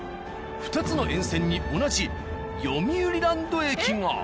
２つの沿線に同じよみうりランド駅が。